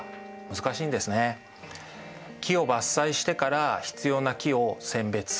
木を伐採してから必要な木を選別する。